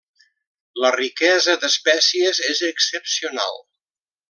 La riquesa d'espècies és excepcional.